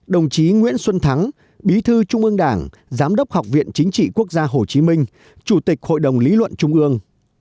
đồng chí nguyễn xuân thắng bí thư trung ương đảng giám đốc học viện chính trị quốc gia hồ chí minh chủ tịch hội đồng lý luận trung ương